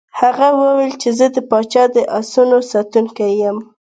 هغه وویل چې زه د پاچا د آسونو ساتونکی یم.